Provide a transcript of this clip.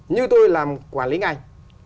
như tôi làm quản lý ngành